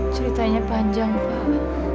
ceritanya panjang pak